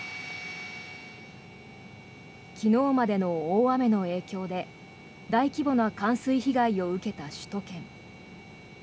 昨日までの大雨の影響で大規模な冠水被害を受けた首都圏。